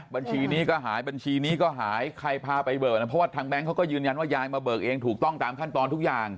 บัญชีนี้ก็หายบัญชีนี้ก็หายใครพาไปเบิกนะเพราะว่าทางแบงค์เขาก็ยืนยันว่ายายมาเบิกเองถูกต้องตามขั้นตอนทุกอย่าง